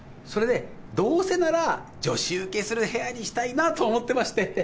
それでどうせなら女子ウケする部屋にしたいなと思ってまして。